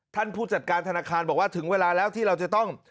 ผู้จัดการธนาคารบอกว่าถึงเวลาแล้วที่เราจะต้อง